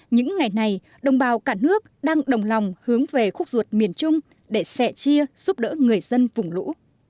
những ngày này đồng bào cả nước đang đồng lòng hướng về khúc ruột miền trung để sẻ chia giúp đỡ người dân vùng lũ